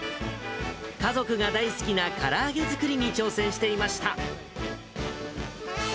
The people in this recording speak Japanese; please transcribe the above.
家族が大好きなから揚げ作りに挑戦していました。